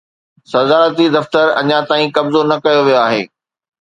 صدارتي دفتر اڃا تائين قبضو نه ڪيو ويو آهي